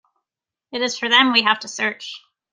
It is for them we have to search.